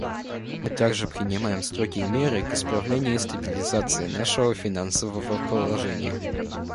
Мы также принимаем строгие меры к исправлению и стабилизации нашего финансового положения.